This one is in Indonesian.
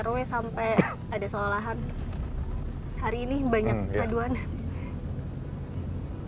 hari ini banyak aduan